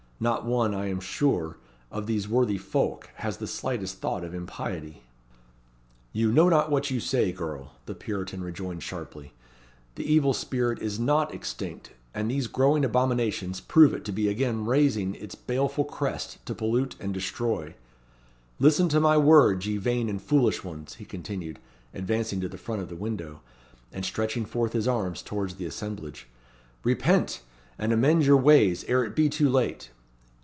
Not one, I am sure, of these worthy folk has the slightest thought of impiety." "You know not what you say, girl," the Puritan rejoined sharply. "The evil spirit is not extinct, and these growing abominations prove it to be again raising its baleful crest to pollute and destroy. Listen to my words, ye vain and foolish ones!" he continued, advancing to the front of the window, and stretching forth his arms towards the assemblage. "Repent! and amend your ways ere it be too late!